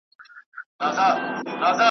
دوې یې توري غټي سترګي وې په سر کي .